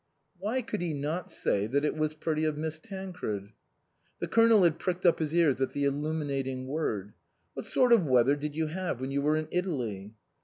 Why could he not say that it was pretty of Miss Tancred? The Colonel had pricked up his ears at the illuminating word. " What sort of weather did you have when you were in Italy